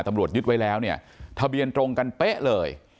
ตำรวจยึดไว้แล้วเนี่ยทะเบียนตรงกันเป๊ะเลย